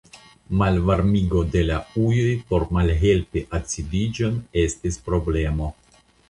Malvarmigo de la ujoj por malhelpi acidiĝon estis problemo.